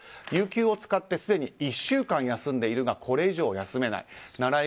有休を使ってすでに１週間休んでいるがこれ以上休めない。